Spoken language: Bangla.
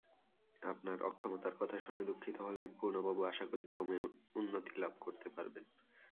আপনার অক্ষমতার কথা শুনে দুঃখিত হলেম পুর্ণবাবু– আশা করি ক্রমে উন্নতিলাভ করতে পারবেন।